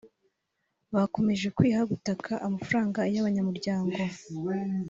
Bakomeje kwiha gukata amafaranga y’abanyamuryango